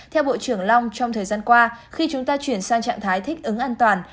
theo bộ trưởng long trong thời gian qua khi chúng ta chuyển sang trạng thái thích ứng an toàn